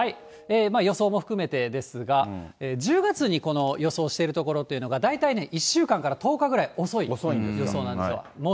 予想も含めてですが、１０月にこの予想している所というのが、大体１週間から１０日ぐらい遅い予想なんですよ。